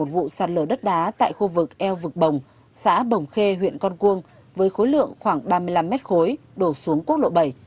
một vụ sạt lở đất đá tại khu vực eo vực bồng xã bồng khê huyện con cuông với khối lượng khoảng ba mươi năm mét khối đổ xuống quốc lộ bảy